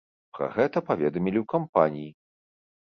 Пра гэта паведамілі ў кампаніі.